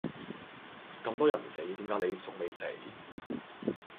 咁多人死點解你仲未死？